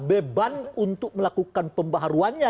beban untuk melakukan pembaharuannya